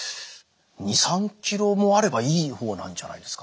２３ｋｇもあればいい方なんじゃないですか？